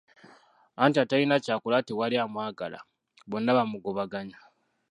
Anti atalina ky'akola tewali amwagala, bonna bamugobaganya.